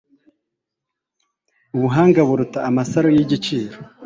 ubuhanga buruta amasaro y'igiciro